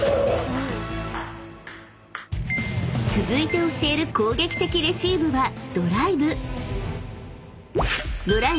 ［続いて教える攻撃的レシーブは］